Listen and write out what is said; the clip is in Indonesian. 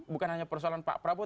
bukan hanya persoalan pak prabowo